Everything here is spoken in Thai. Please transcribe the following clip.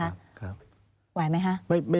ไหวไหมคะ